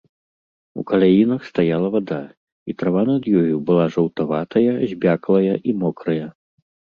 У каляінах стаяла вада, і трава над ёю была жаўтаватая, збляклая і мокрая.